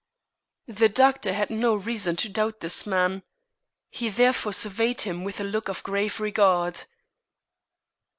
The doctor had no reason to doubt this man. He therefore surveyed him with a look of grave regard.